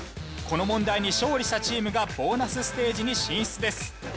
この問題に勝利したチームがボーナスステージに進出です。